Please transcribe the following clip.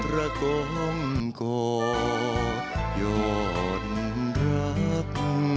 ประกองก่อนย้อนรับ